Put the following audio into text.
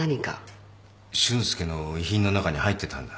俊介の遺品の中に入ってたんだ。